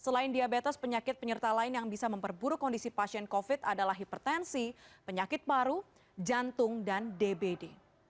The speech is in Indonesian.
selain diabetes penyakit penyerta lain yang bisa memperburuk kondisi pasien covid adalah hipertensi penyakit paru jantung dan dbd